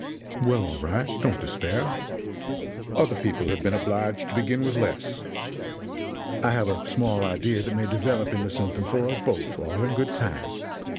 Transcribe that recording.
"Well, all right don't despair. Other people have been obliged to begin with less. I have a small idea that may develop into something for us both, all in good time.